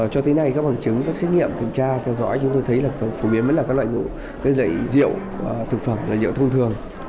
cho tới nay các bằng chứng các xét nghiệm kiểm tra theo dõi chúng tôi thấy phổ biến là các loại rượu thực phẩm là rượu thông thường